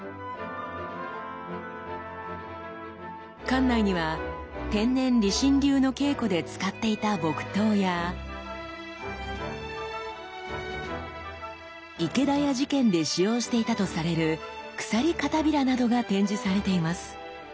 館内には天然理心流の稽古で使っていた木刀や池田屋事件で使用していたとされる鎖帷子などが展示されています。